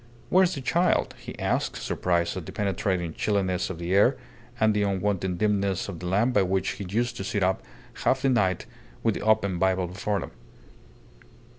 "Where is the child?" he asked, surprised at the penetrating chilliness of the air and the unwonted dimness of the lamp by which he used to sit up half the night with the open Bible before him.